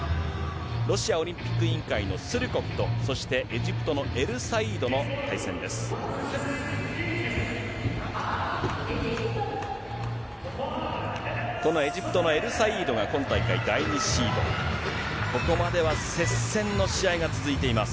ロシアオリンピック委員会のスルコフと、そしてエジプトのエルサイードの対戦です。